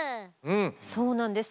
そうなんです。